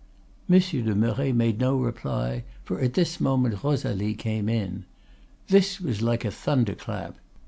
"Monsieur de Merret made no reply, for at this moment Rosalie came in. This was like a thunder clap.